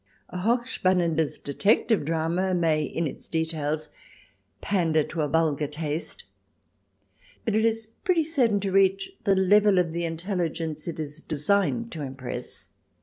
A Hoch Spannendes Detective Drama may, in its details, pander to a vulgar taste, but it is pretty certain to reach the level of the intelligence it is designed to impress.